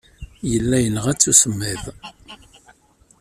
Yella yenɣa-tt usemmiḍ.